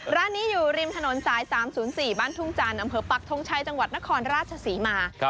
ร้านนี้อยู่ริมถนนสาย๓๐๔บ้านทุ่งจันทร์อำเภอปักทงชัยจังหวัดนครราชศรีมา